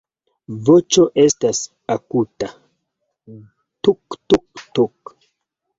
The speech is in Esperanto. Voĉo estas akuta "tuk-tuk-tuk".